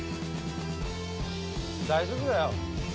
大丈夫だよ。